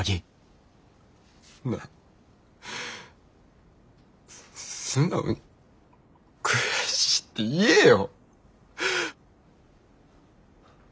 なあ素直に悔しいって言えよ。